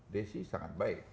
dia sih sangat baik